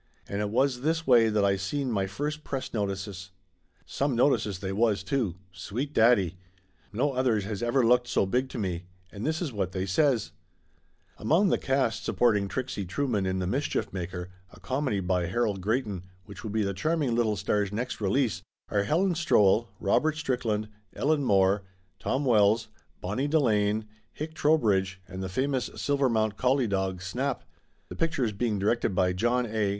And it was this way that I seen my first press no tices. Some notices, they was, too! Sweet daddy! No others has ever looked so big to me. And this is what they says: Among the cast supporting Trixie Trueman in The Mischief Maker, a comedy by Harold Greyton, which will be the charming little star's next release, are Helen Strowell, Robert Strickland, Ellen More, Tom Wells, Bonnie Delane, Hick Trowbridge and the famous Silver mount collie dog, Snap. The picture is being directed by John A.